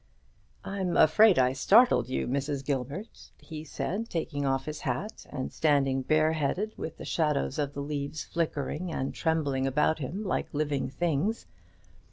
"I'm afraid I startled you, Mrs. Gilbert," he said, taking off his hat and standing bareheaded, with the shadows of the leaves flickering and trembling about him like living things.